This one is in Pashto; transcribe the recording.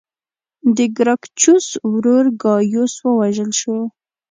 د ګراکچوس ورور ګایوس ووژل شو